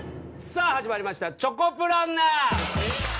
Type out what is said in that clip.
さあ始まりました『チョコプランナー』。